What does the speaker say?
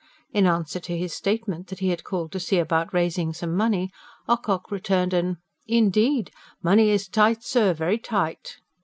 In answer to his statement that he had called to see about raising some money, Ocock returned an: "Indeed? Money is tight, sir, very tight!"